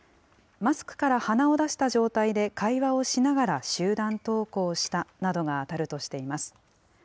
マスクから鼻を出した状態で、会話をしながら集団登校したなどが当たるとしています。